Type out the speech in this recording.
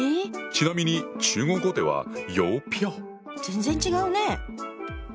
⁉ちなみに中国語では全然違うね。